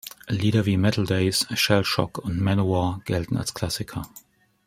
Lieder wie "Metal Daze", "Shell Shock" und "Manowar" gelten als Klassiker.